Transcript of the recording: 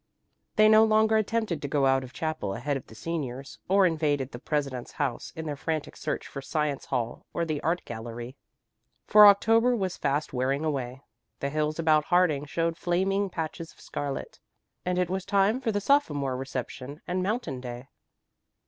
They no longer attempted to go out of chapel ahead of the seniors, or invaded the president's house in their frantic search for Science Hall or the Art Gallery. For October was fast wearing away. The hills about Harding showed flaming patches of scarlet, and it was time for the sophomore reception and Mountain Day.